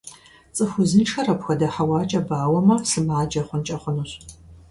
ЦӀыху узыншэр апхуэдэ хьэуакӀэ бауэмэ, сымаджэ хъункӀэ хъунущ.